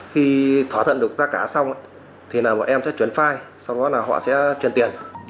khi thỏa thuận được giá cả xong thì bọn em sẽ chuyển file sau đó họ sẽ chuyển tiền